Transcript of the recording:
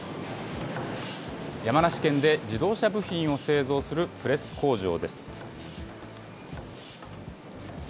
山梨県で自動車部品を製造するプレス工場です。